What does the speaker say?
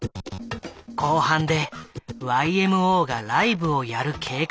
後半でＹＭＯがライブをやる計画だった。